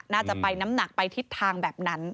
น่าจะไปน้ำหนักไปทิศทางแบบนั้น